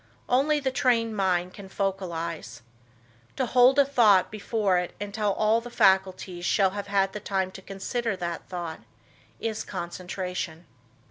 Only the trained mind can focalize. To hold a thought before it until all the faculties shall have had time to consider that thought is concentration.